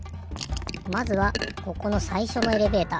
まずはここのさいしょのエレベーター。